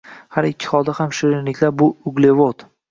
Har ikki holda ham shirinliklar bu uglevod.